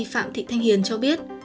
phạm thị thanh hiền cho biết